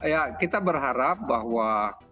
ya kita berharap bahwa